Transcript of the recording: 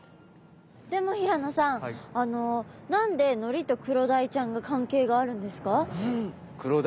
でも平野さん何でのりとクロダイちゃんが関係があるんですか？